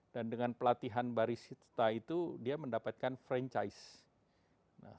dan dengan pelatihan barista itu dia mendapatkan franchise